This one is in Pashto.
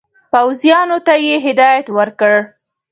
پوځیانو ته یې هدایت ورکړ.